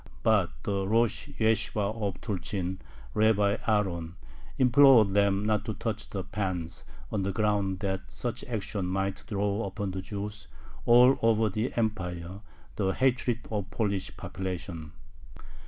But the Rosh Yeshibah of Tulchyn, Rabbi Aaron, implored them not to touch the pans, on the ground that such action might draw upon the Jews all over the Empire the hatred of the Polish population.